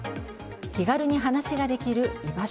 気軽に話ができる居場所。